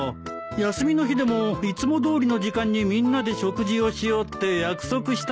休みの日でもいつもどおりの時間にみんなで食事をしようって約束したんだ。